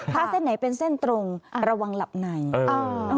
ถ้าเส้นไหนเป็นเส้นตรงระวังหลับในเออ